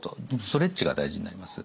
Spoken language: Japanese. ストレッチが大事になります。